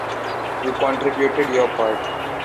You contributed your part.